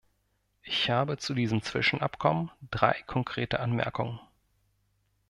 Ich habe zu diesem Zwischenabkommen drei konkrete Anmerkungen.